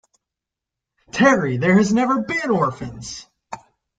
Terry, there has never been orphans!